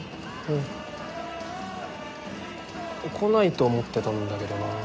うん。来ないと思ってたんだけどなぁ。